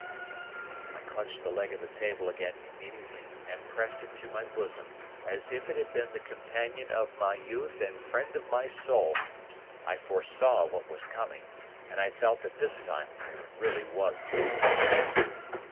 I clutched the leg of the table again immediately, and pressed it to my bosom as if it had been the companion of my youth and friend of my soul. I foresaw what was coming, and I felt that this time I really was gone.